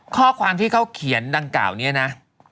ข้อความที่เขาเขียนดังกล่าวนี้นะ